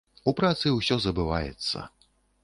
У працы ўсё забываецца.